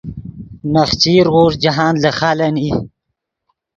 نخچیر غوݰ جاہند لے خالن ای